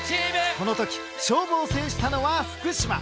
この時勝負を制したのは福島。